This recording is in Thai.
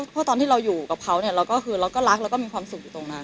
เพราะตอนที่เราอยู่กับเขาเนี่ยเราก็คือเราก็รักแล้วก็มีความสุขอยู่ตรงนั้น